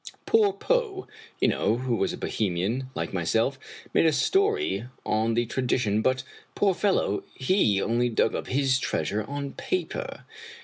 Poor Poe, you know, who was a Bohemian, like myself, made a story on the tradi tion, but, poor fellow \'he only dug up his treasure on paper.